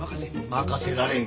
任せられん。